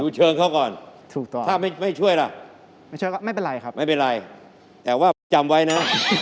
ดูเชิงเขาก่อนถ้าไม่ช่วยล่ะไม่เป็นไรครับไม่เป็นไรแต่ว่าจำไว้นะ